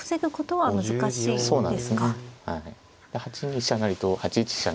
８二飛車成と８一飛車